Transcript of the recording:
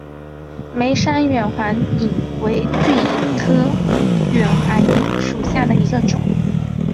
梅山远环蚓为巨蚓科远环蚓属下的一个种。